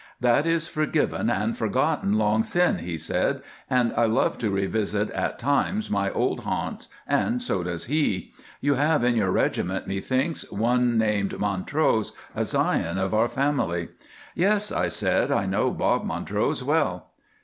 "'That is forgiven and forgotten long syne,' he said, 'and I love to revisit, at times, my old haunts, and so does he. You have in your regiment, methinks, one named Montrose, a scion of our family.' "'Yes,' I said, 'I know Bob Montrose well.